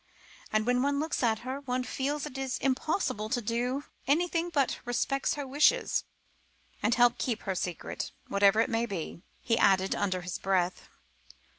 And when one looks at her, one feels it is impossible to do anything but respect her wishes, and help her keep her secret whatever it may be," he added under his breath.